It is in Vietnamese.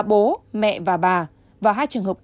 bố mẹ và bà và hai trường hợp